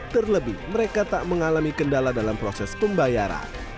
terlebih mereka tak mengalami kendala dalam proses pembayaran